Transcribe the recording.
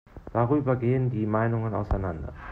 Darüber gehen die Meinungen auseinander.